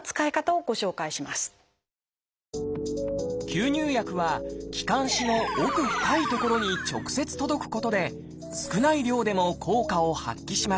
吸入薬は気管支の奥深い所に直接届くことで少ない量でも効果を発揮します。